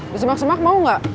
di semak semak mau gak